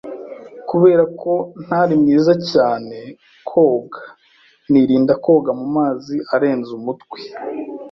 Kubera ko ntari mwiza cyane koga, nirinda koga mumazi arenze umutwe.